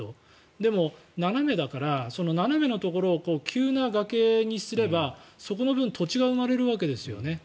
でも斜めだから斜めのところを急な崖にすればそこの分土地が生まれるわけですよ。